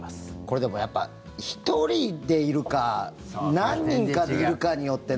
でも、やっぱり１人でいるか何人かでいるかによってね。